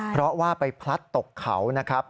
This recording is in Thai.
เพราะว่าไปพลัดตกเขานะครับ